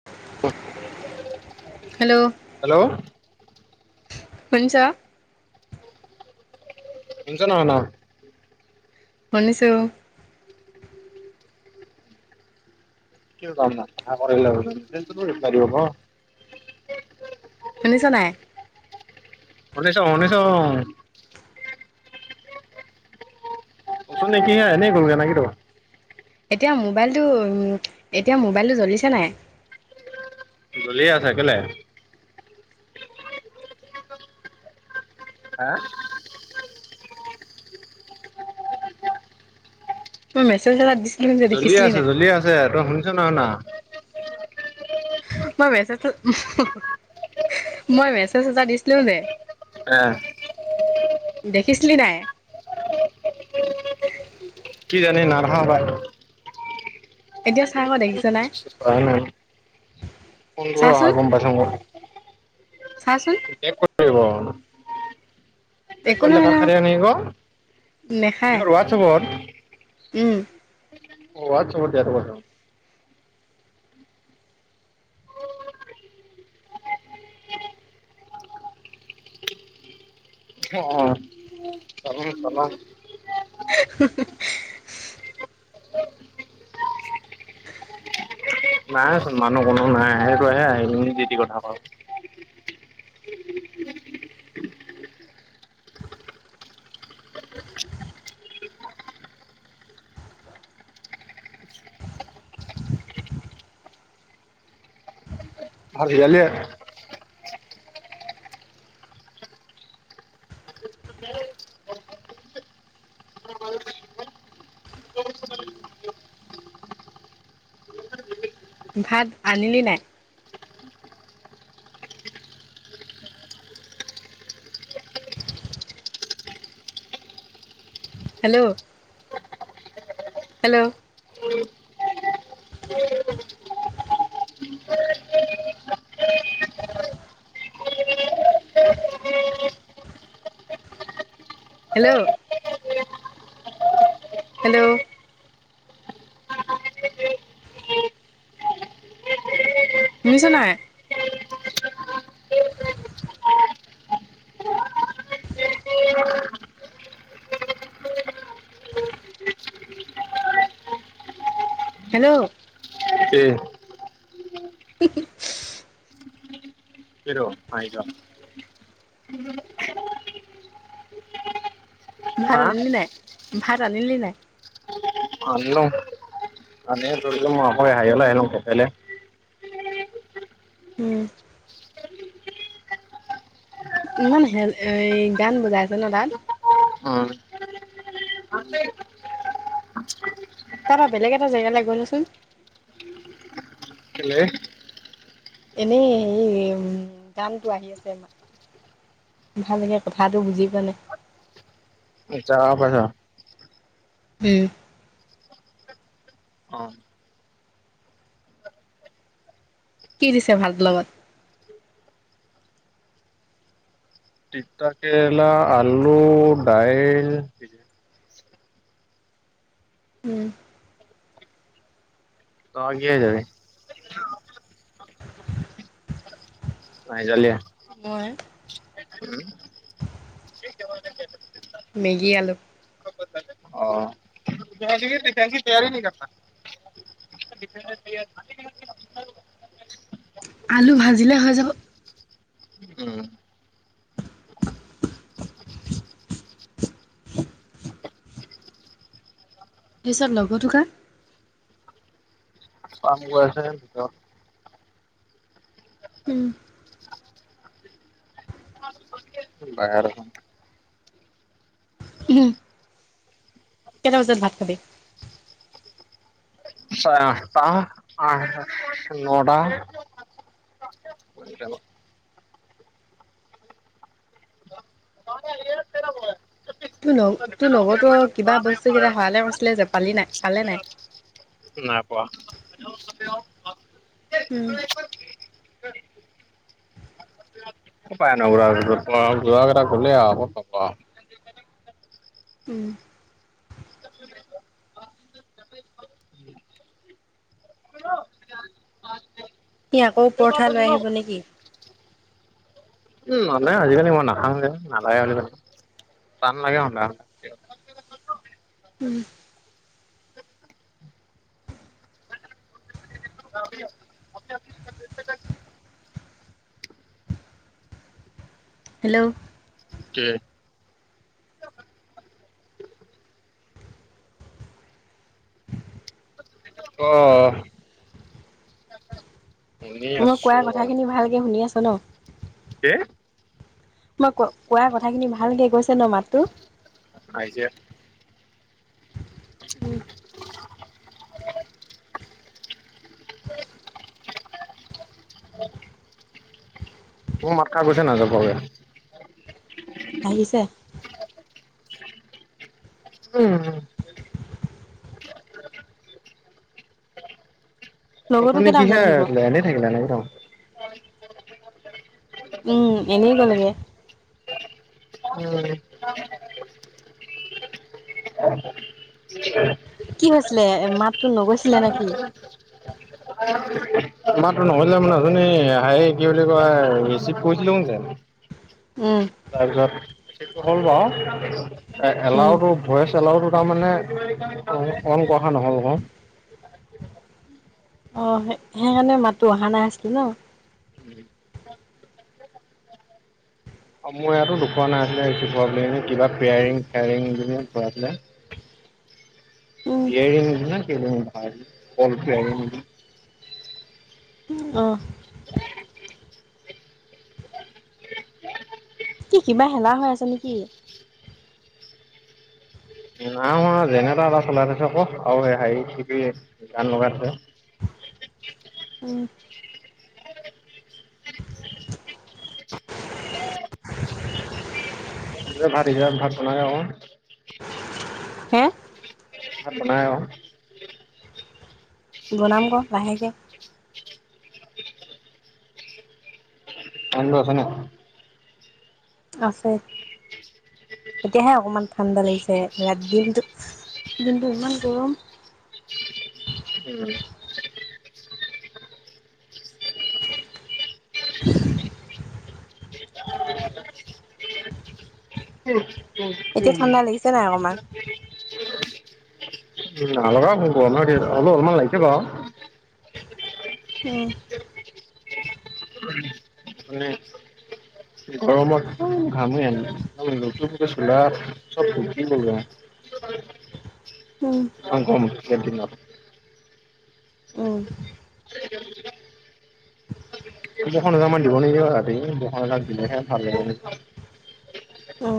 [unintelligible] [unintelligible] Hello! Hello শুনিছ? শুনিছ নাই শুনা? শুনিছোঁ। [unintelligible] শুনিছ নাই? শুনিছোঁ, শুনিছোঁ। [unintelligible] এনেই গ'লগে না কিনো? এতিয়া মোবাইলটো, এতিয়া মোবাইলটো জ্বলিছে নাই? জ্বলিয়ে আছে, কেলে? হা! মই মেছেজ এটা দিছ জ্বলিয়ে আছে, জ্বলিয়ে আছে, তই শুনিছ নাই শুনা? মই মেছেজটো, [unintelligible] মই মেছেজ এটা দিছিলোঁ নাই? [unintelligible] দেখিছিলি নাই? কিজানি, নাই দেখা হপায়। এতিয়া, চা আকৌ দেখিছ নাই? [unintelligible] [unintelligible] অহা চাচোন গম পাইছে মোক। চাচোন? [unintelligible] [unintelligible] একো নহয় নহয় কিহৰ, নেখায় হোৱাটছএপত? উম হোৱাটছএপত [unintelligible] অ'! [unintelligible] [unintelligible] নাইচোন, মানুহ কোনো নাই। সেইটোৱেহে আহি পিনি যি-টি কথা কয়। ভাত সিজালিয়ে? ভাত আনিলি নাই? হেল্ল'? হেল্ল'? হেল্ল'? হেল্ল'? শুনিছ নাই? হেল্ল'? [unintelligible] কি? [unintelligible] হাঁহি লওক ভাত অনিলি নাই, ভাত আনিলি নাই? আনিলো [unintelligible] উম ইমান হে এ গান বজাই আছে ন তাত? হয় তাৰ পৰা বেলেগ এটা জেগালৈ গৈ ল চোন। কেলে এনেই হেৰি উম গানটো আহি আছে মানে। ভালকে কথাটো বুজি পোৱা নাই। এতিয়া কা পাইছ? উম কি দিছে ভাতৰ লগত? তিতা কেৰেলা, আলু, দাইল। উম। তই কা কিহে সিজালি? না সিজালিয়ে? মই উম। [unintelligible] মেগী আলু। [unintelligible] আলু ভাজিলে হৈ যাব। উম। পিছত লগৰটো কা? কাম কৰি আছে ভিতৰত। উম, মই বাহিৰত আছো। উম কেইটা বজাত ভাত খাবি? চাৰে আঠটা নটা। [unintelligible] [unintelligible] তোৰ লগ তোৰ লগৰটোৰ কিবা বস্তু কেইটা হেৰালে কৈছিলে যে পালি নাই পালে নাই? নাই পোৱা। উম ক'ত পায়নো আৰু যোৱাকেইটা গ'লে আৰু কত পাব আৰু। উম [inaudible] [inaudible] সি আকৌ পৰঠা লৈ আহিব নেকি? উম নানে আজিকালি মই নাখাওঁ যে নালাগে বুলি কৈ দিলো টান লাগে সদায়। সদায় উম হেল্ল'! কি? ক'। শুনি মই কোৱা আছো কথাখিনি ভালকে শুনি আছা ন? কে? মই ক, কোৱা কথাখিনি ভালকে গৈছে ন মাতটো? আহিছে। [unintelligible] মোতখা গৈছে, নাযাবলে। আহিছে। উম। লগৰটো অথনি কেইটা কিহে বজাত আহিব আছিলে এনে থাকিলে নেকি ন? উম, এনেই গ'লগে। [inaudible] উম। [unintelligible] [unintelligible] কি হৈছিলে মাতটো নগৈছিলে নেকি? [unintelligible] তোমাৰতো নহ'লেও [unintelligible] আই, কি বুলি কয় ৰিচিভ কৰিছিলোঁ যে উম। তাৰপিছত [unintelligible] হ'ল বাৰু, উম এলাউডটো ভইচ এলাউটো তাৰমানে অন-অন কৰা নহ'ল গৈ অ, সে সেইকাৰণে মাতটো অহা নাছিল ন? অ, মোৰ ইয়াতো দুখন আছিলে কিবা পেয়াৰিং, কিবা পেয়াৰিং-টেয়াৰিং [unintelligible] আছিলে। উম [inaudible] অ। কি কিবা হেলা হৈ আছে নেকি? নাই হোৱা, যেনেটাৰ এটা চলাই থৈছে, আকৌ আৰু হেৰি কি কি [unintelligible] গান লগাই থৈ। উম নিজৰ ভাত নিজে ভাত বনাই [inaudible] হে ভাত বনাই আওঁ। বনাম ক লাহেকে। কাৰণ্ট লৈ আছে নে? আছে। তেতিয়াহে অকমান ঠাণ্ডা লাগিছে, ৰা দিনটো দিনটো ইমান গৰম। উম। এতিয়া ঠাণ্ডা লাগিছে, নাই অকণমান। উম, [unintelligible] আমাৰখিনিত অলমান লাগিছে বা। উম। [inaudible] মানে গৰমত ঘামেই আনে। [inaudible] [inaudible] উম। ইমান গৰম কেনটিনত। উম। [inaudible] এজা মান দিব নেকি ৰাতি, বৰষুণ এজাক দিলেহে ভালে হ'ব। অঁ।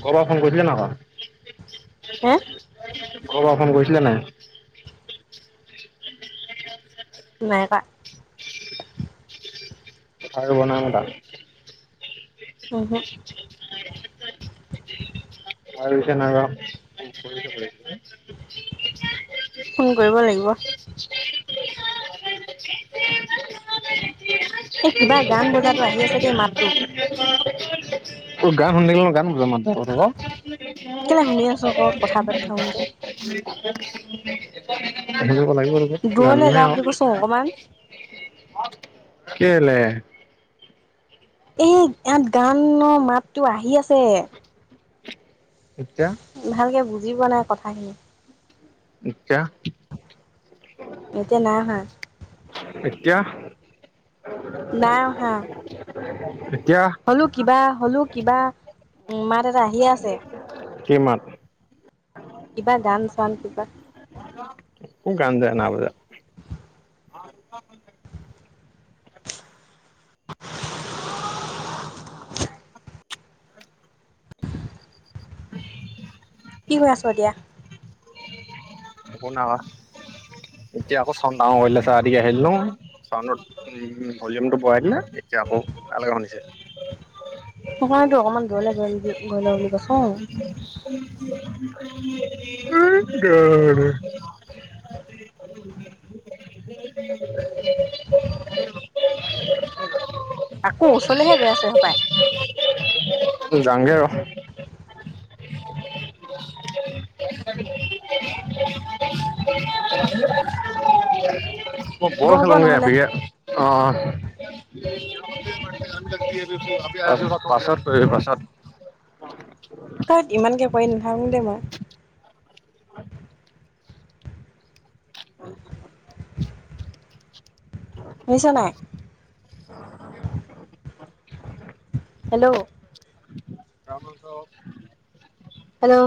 ইকৰ পৰা ফোন কৰিছিলে নহয়। হে? ঘৰ পৰা ফোন কৰিচিলে নাই? নাই কৰা। আৰু [unintelligible] ওহো। আৰু কেনেকা [unintelligible] ফোন কৰিব লাগিব। এই কিবা গান বজাটো আহি আছে দেই মাতটো। [unintelligible] তোৰ গান শুনিলে [unintelligible] গান বজাম কেলে শুনি আছো আকৌ কথা পাতি থাকোতে [unintelligible] [unintelligible] লাগিব দূৰলে গানহে যা বুলি আৰু। কৈছো অকমান কেলে? এই ইয়াত গানৰ মাতো আহি আছে। এতিয়া? ভালকে বুজিপোৱা নাই কথাখিনি। এতিয়া? এতিয়া নাই অহা। এতিয়া? নাই অহা এতিয়া? হলো কিবা হলো কিবা উ মাত এটা আহিয়ে আছে কি মাত? কিবা গান চান কিবা গানযা নাবজা। [unintelligible] কি হৈ আছ এতিয়া? একো না কৰা। এতিয়া আকৌ চাইন্দ ডাঙৰ কৰিলে চা [unintelligible] চাউণ্ডত ভলিউমটো বঢ়াই দিলে এতিয়া আকৌ তালকে শুনিছে। সেইকাৰণেটো অকমান দূৰলৈ গৈ গৈল' বুলি কৈছো। [unintelligible] আকৌ ওচৰলৈহে গৈ আছে হ'পাই। জাঙগে আৰু। হ'ব বল হ'ব খেলোগে নহ'লে [unintelligible] অ'। পাছত কৰিবি পাছত। [unintelligible] ইমানকে কৰি নাথাকো দেই মই। [inaudible] বুজিছা নাই। [unintelligible] হেল্ল'। তামোলটো হেল্ল'।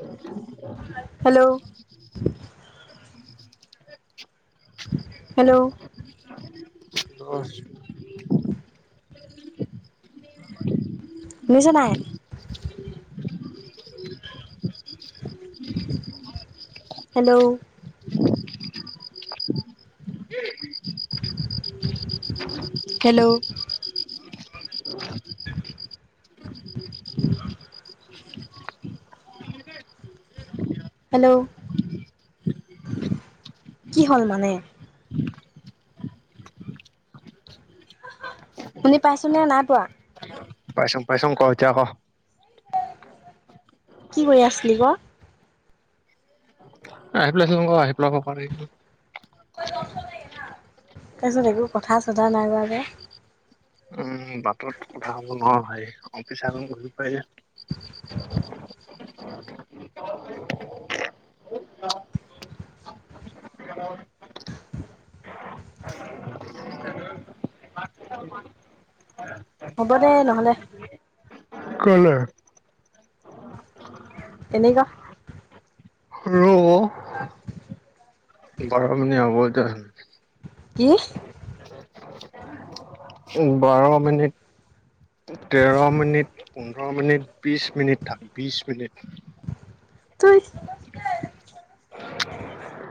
[unintelligible] হেল্ল'। হেল্ল'। [unintelligible] শুনিছা নাই? হেল্ল! হেল্ল! হেল্ল! কি হ'ল মানে? শুনি পাইছ নে, নাই পোৱা? পাইছোং, পাইছোং ক এতিয়া ক'। কি কৰি আছিলি ক? [unintelligible] তাৰপিছত একো কথা-চথা নাই কোৱা যে? উম, বাটত কথা ক'ব নোৱাৰো ভাই, অফিচা [unintelligible] [unintelligible] [unintelligible] হ'ব দে নহ'লে। কেলে? এনেই [inaudible] ৰো। [unintelligible] হ'ব এতিয়া। কি? উম বাৰ মিনিট তেৰ মিনিট, পোন্ধৰ মিনিট, বিশ মিনিট থাক, বিশ মিনিট। তই